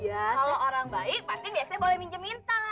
ya kalau orang baik pasti biasanya boleh minjem minta